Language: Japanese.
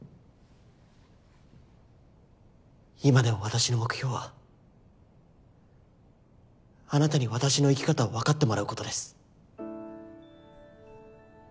今でも私の目標はあなたに私の生き方を分かってもらうことです。